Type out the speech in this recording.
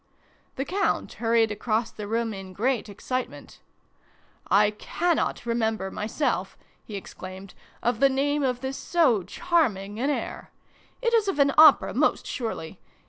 The Count hurried across the room in great excitement. " I cannot remember myself," he exclaimed, " of the name of this so charming an air ! It is of an opera, most surely.